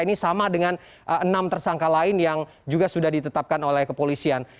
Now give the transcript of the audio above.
ini sama dengan enam tersangka lain yang juga sudah ditetapkan oleh kepolisian